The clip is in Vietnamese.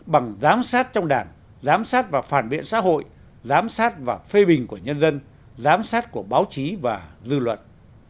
bằng giám sát trong đảng giám sát và phản biện xã hội giám sát và phê bình của nhân dân giám sát của báo chí và dư luận